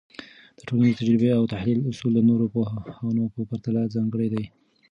د ټولنيز تجزیه او تحلیل اصول د نورو پوهانو په پرتله ځانګړي دي.